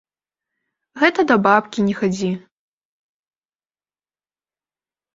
Гэта да бабкі не хадзі!